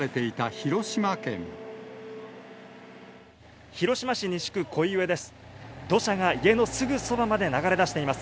広島市西区己斐上です。